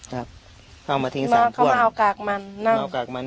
ครับเขาเอามาเทียงสามพ่วงเขามาเอากากมันนั่น